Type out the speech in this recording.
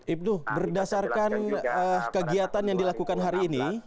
ibnu berdasarkan kegiatan yang dilakukan hari ini